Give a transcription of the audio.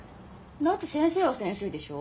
だって先生は先生でしょ。